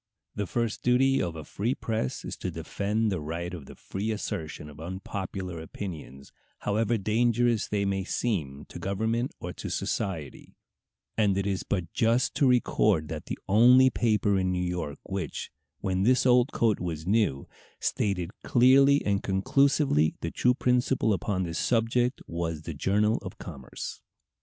The first duty of a free press is to defend the right of the free assertion of unpopular opinions, however dangerous they may seem to government or to society; and it is but just to record that the only paper in New York which, "when this old coat was new," stated clearly and conclusively the true principle upon this subject was the Journal of Commerce.